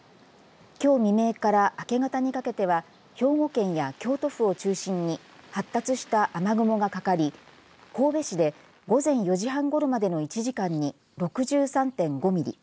きょう未明から明け方にかけては兵庫県や京都府を中心に発達した雨雲がかかり神戸市で、午前４時半ごろまでの１時間に６３．５ミリ。